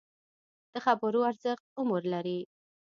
د خبرو ارزښت عمر لري